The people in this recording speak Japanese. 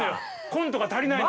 コントが足りない！